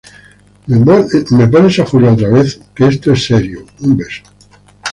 ¿ me pones a Julia otra vez? que esto es serio. un beso.